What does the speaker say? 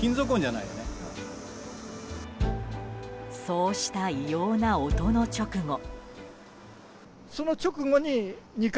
そうした異様な音の直後。